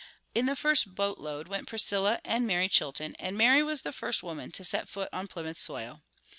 In the first boat load went Priscilla and Mary Chilton, and Mary was the first woman to set foot on Plymouth soil.